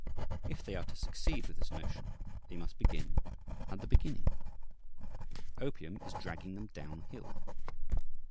If they are to succeed with this notion, they must begin at the beginning. Opium is dragging them down hill.